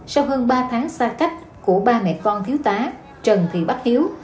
sau hơn ba tháng xa cách của ba mẹ con thiếu tá trần thị bắc hiếu